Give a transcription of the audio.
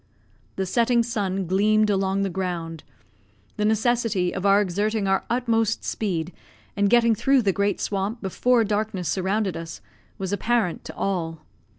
The setting sun gleamed along the ground; the necessity of exerting our utmost speed, and getting through the great swamp before darkness surrounded us, was apparent to all.